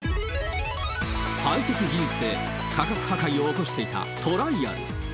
ハイテク技術で価格破壊を起こしていたトライアル。